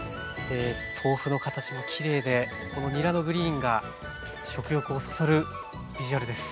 豆腐の形もきれいでこのにらのグリーンが食欲をそそるビジュアルです！